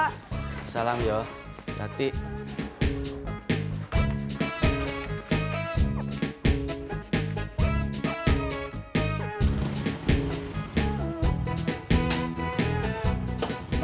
assalam yuk hati hati